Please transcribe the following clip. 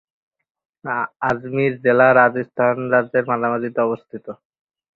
আজমির জেলা রাজস্থান রাজ্যের মাঝামাঝিতে অবস্থিত।